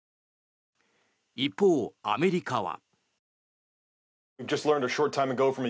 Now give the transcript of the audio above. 一方、アメリカは。